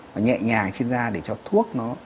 và nhẹ nhàng trên da để cho thuốc nó